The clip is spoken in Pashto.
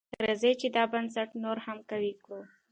راځئ چې دا بنسټ نور هم قوي کړو.